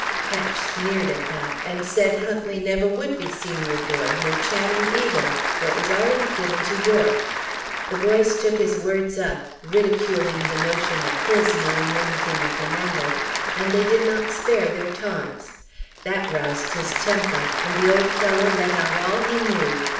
Ketch sneered at that, and said Huntley never would be senior boy, nor Channing either, for it was already given to Yorke. The boys took his words up, ridiculing the notion of his knowing anything of the matter, and they did not spare their taunts. That roused his temper, and the old fellow let out all he knew.